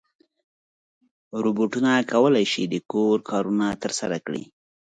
روبوټونه کولی شي د کور کارونه ترسره کړي.